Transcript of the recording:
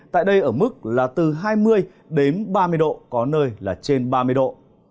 tại đây ở mức là từ hai mươi đến ba mươi độ có nơi là trên ba mươi độ